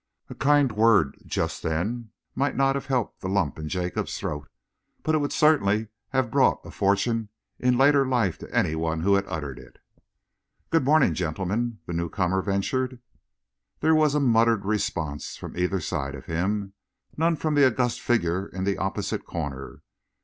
A kind word just then might not have helped the lump in Jacob's throat, but it would certainly have brought a fortune in later life to any one who had uttered it. "Good morning, gentlemen," the newcomer ventured. There was a muttered response from either side of him, none from the august figure in the opposite corner.